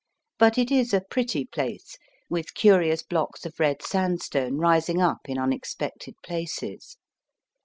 But it is a pretty place, with curious blocks of red sand stone rising up in unexpected places.